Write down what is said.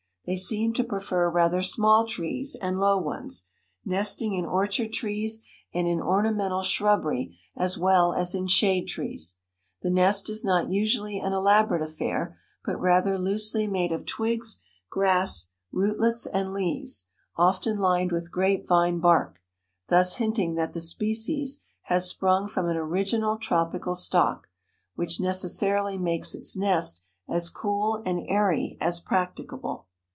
They seem to prefer rather small trees and low ones, nesting in orchard trees and in ornamental shrubbery as well as in shade trees. The nest is not usually an elaborate affair, but rather loosely made of twigs, grass, rootlets, and leaves, often lined with grape vine bark, thus hinting that the species has sprung from an original tropical stock, which necessarily makes its nest as cool and airy as practicable.